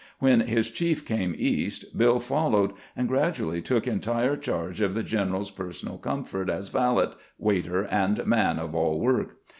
When his chief came East, Bill followed, and gradually took entire charge of the general's personal comfort as valet, waiter, and man of all work.